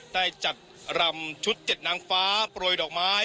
ได้จัดรำชุดเจ็ดนางฟ้าปล่อยดอกไม้